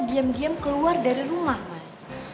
diam diam keluar dari rumah mas